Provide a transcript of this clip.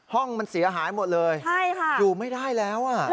ห้องมันเสียหายหมดเลยอยู่ไม่ได้แล้วอ่ะใช่ค่ะ